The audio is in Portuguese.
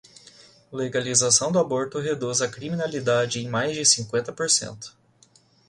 Legalização do aborto reduz a criminalidade em mais de cinquenta por cento